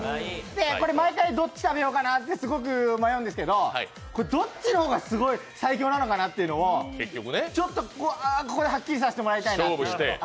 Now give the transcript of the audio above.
これ、毎回どっち食べようかなってすごく迷うんですけどこれどっちの方が最強なのかなというのをちょっとはっきりさせてもらいたいなって。